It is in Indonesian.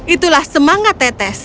itulah semangat tetes